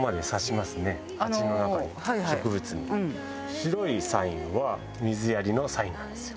白いサインは水やりのサインなんですよ。